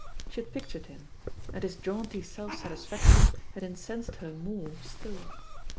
She had pictured him; and his jaunty self satisfaction had incensed her more still.